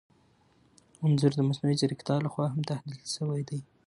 انځور د مصنوعي ځیرکتیا لخوا هم تحلیل شوی دی.